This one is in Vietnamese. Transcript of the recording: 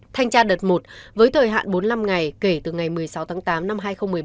thanh tra đợt một với thời hạn bốn mươi năm ngày kể từ ngày một mươi sáu tháng tám năm hai nghìn một mươi bốn